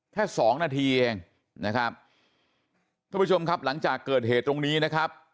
แค่สองนาทีเองนะครับท่านผู้ชมครับหลังจากเกิดเหตุตรงนี้นะครับ